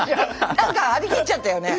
何か張り切っちゃったよね。